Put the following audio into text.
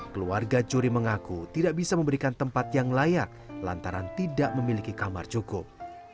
keluarga curi mengaku tidak bisa memberikan tempat yang layak lantaran tidak memiliki kamar cukup